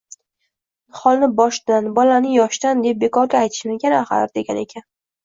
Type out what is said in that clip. Niholni boshdan, bolani yoshdan deb bekorga aytishmagan axir, degan ekan